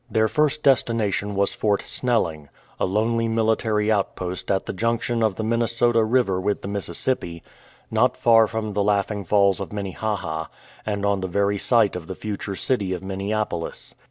Their first destination was Fort Snelling, a lonely military outpost at the junction of the Minnesota River with the Mississippi, not far from the laughing Falls of Minnehaha, and on the very site of the future city of Minneapolis.